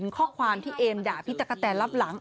ข้อความที่เอมด่าพี่ตะกะแตนรับหลัง